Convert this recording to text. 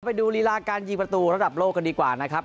ไปดูรีลาการยิงประตูระดับโลกกันดีกว่านะครับ